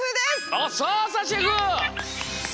あっさあさシェフ！